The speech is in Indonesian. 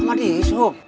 sampai di sub